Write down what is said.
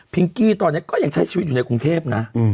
ปิ้งกี้ตอนนี้ก็ยังใช้ชีวิตในกรุงเทพร์นะ